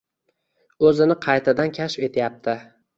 Oʻzini qaytadan kashf etyapti.